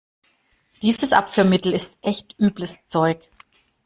Dieses Abführmittel ist echt übles Zeug.